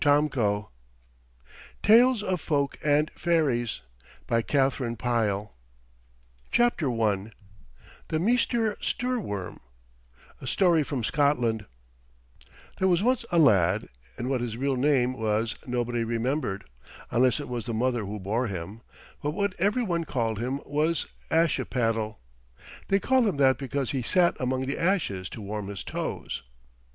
241 TALES OF FOLK AND FAIRIES THE MEESTER STOORWORM A STORY FROM SCOTLAND There was once a lad, and what his real name was nobody remembered, unless it was the mother who bore him; but what every one called him was Ashipattle. They called him that because he sat among the ashes to warm his toes.